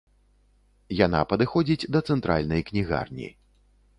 Яна падыходзіць да цэнтральнай кнігарні.